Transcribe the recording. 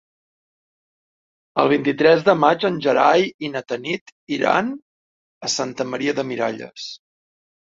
El vint-i-tres de maig en Gerai i na Tanit iran a Santa Maria de Miralles.